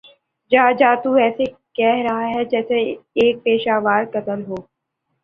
جاجا تو ایسے کہ رہا ہے جیسے تو ایک پیشہ ور قاتل ہو